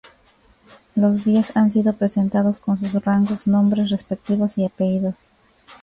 Los diez han sido presentados, con sus rangos, nombres respectivos y apellidos.